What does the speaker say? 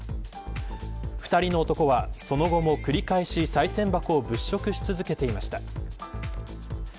２人の男は、その後も繰り返しさい銭箱を物色し続けていました。